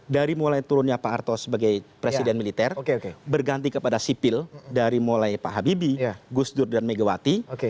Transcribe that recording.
dari mulai turunnya pak arto sebagai presiden militer berganti kepada sipil dari mulai pak habibie gus dur dan megawati